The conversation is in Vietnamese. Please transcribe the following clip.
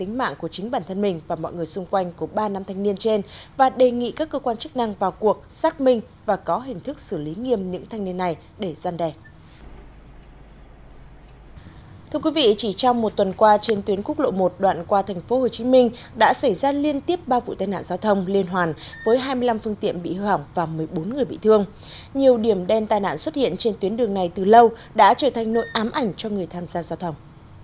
nhiều điểm đen tai nạn xuất hiện trên tuyến đường này từ lâu đã trở thành nỗi ám ảnh cho người tham gia giao thông